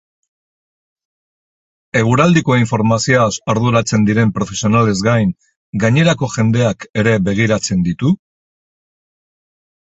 Eguraldiko informazioaz arduratzen diren profesionalez gain, gainerako jendeak ere begiratzen ditu?